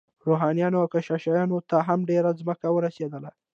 روحانیونو او کشیشانو ته هم ډیره ځمکه ورسیدله.